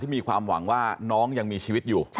มีความหวังว่าน้องยังมีชีวิตอยู่